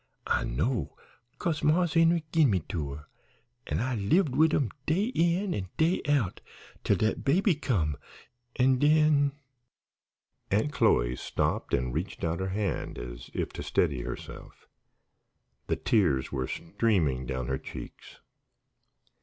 I know, 'cause Marse Henry gin me to her, an' I lived wid 'em day in an' day out till dat baby come, an' den " Aunt Chloe stopped and reached out her hand as if to steady herself. The tears were streaming down her cheeks.